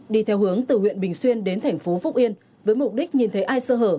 đi theo hướng từ huyện bình xuyên đến thành phố phúc yên với mục đích nhìn thấy ai sơ hở